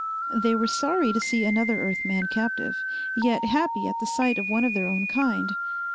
They were sorry to see another Earth man captive, yet happy at sight of one of their own kind.